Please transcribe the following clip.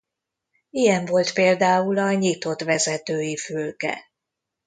Ilyen volt például a nyitott vezetői fülke.